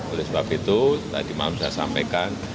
oleh sebab itu tadi malam saya sampaikan